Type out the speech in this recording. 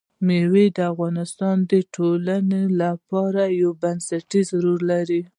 مېوې د افغانستان د ټولنې لپاره یو بنسټيز رول لري.